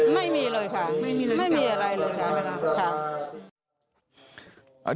ไม่มีเลยค่ะไม่มีอะไรเลยค่ะ